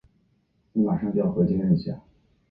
山蓼为蓼科山蓼属下的一个种。